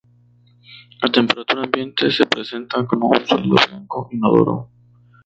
A temperatura ambiente se presenta como un sólido blanco inodoro.